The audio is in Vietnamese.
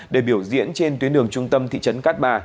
để biểu diễn trên tuyến đường trung tâm thị trấn cát bà